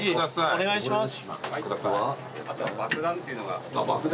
お願いします。